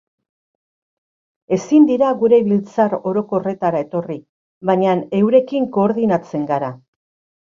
Ezin dira gure biltzar orokorretara etorri, baina eurekin koordinatzen gara.